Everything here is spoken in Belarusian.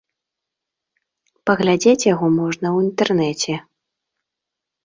Паглядзець яго можна ў інтэрнэце.